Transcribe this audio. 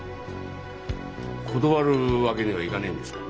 断るわけにはいかねえんですか？